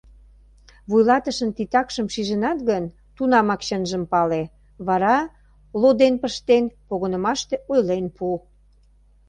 Вуйлатышын титакшым шижынат гын, тунамак чынжым пале, вара, лоден пыштен, погынымаште ойлен пу.